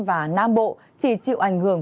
và nam bộ chỉ chịu ảnh hưởng